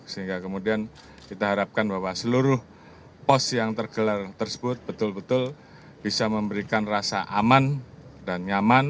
sehingga kemudian kita harapkan bahwa seluruh pos yang tergelar tersebut betul betul bisa memberikan rasa aman dan nyaman